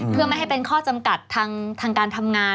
เพื่อไม่ให้เป็นข้อจำกัดทางการทำงาน